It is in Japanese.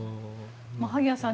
萩谷さん